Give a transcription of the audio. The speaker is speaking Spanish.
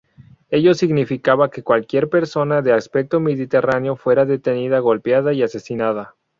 Ello significaba que cualquier persona de aspecto mediterráneo fuera detenida, golpeada y asesinada.